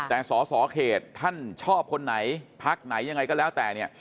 แต่สอสอเขตท่านชอบคนไหนพักไหนยังไงก็แล้วแต่เนี่ย